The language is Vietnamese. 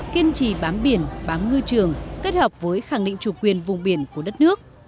kiên trì bám biển bám ngư trường kết hợp với khẳng định chủ quyền vùng biển của đất nước